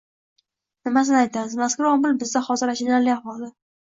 Nimasini aytamiz, mazkur omil bizda hozir achinarli ahvolda